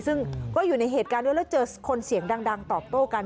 ซึ่งก็อยู่ในเหตุการณ์ด้วยแล้วเจอคนเสียงดังตอบโต้กัน